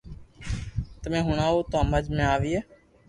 تمو ھڻاويو تو ھمج ۾ آوئي